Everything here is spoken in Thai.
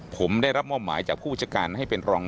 ผมได้รับมอบหมายจากผู้จัดการให้เป็นรอง